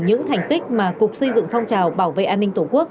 những thành tích mà cục xây dựng phong trào bảo vệ an ninh tổ quốc